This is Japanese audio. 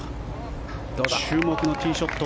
注目のティーショット